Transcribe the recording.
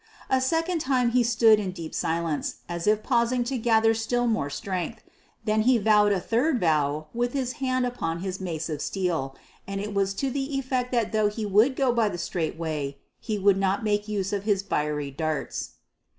A second time he stood in deep silence, as if pausing to gather still more strength. Then he vowed a third vow with his hand upon his mace of steel, and it was to the effect that though he would go by the straight way he would not make use of his fiery darts.